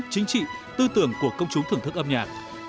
chính trị tư tưởng của công chúng thưởng thức âm nhạc